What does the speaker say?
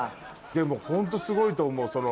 でもホントすごいと思う。